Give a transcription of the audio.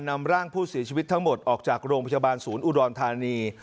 นำร่างผู้เสียชีวิตทั้งหมดออกจากโรงพยาบาลศูนย์อุดรธานี